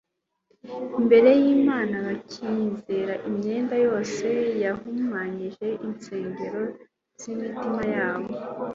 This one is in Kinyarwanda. imbere y'imana, bakiyeza imyanda yose yahumanyije insengero z'imitima yabo